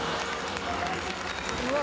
「うわ。